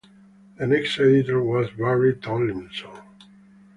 The next Editor was Barrie Tomlinson.